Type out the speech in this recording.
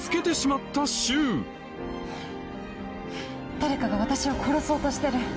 誰かが私を殺そうとしてる。